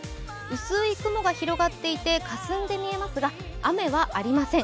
薄い雲が広がっていてかすんで見えますが雨はありません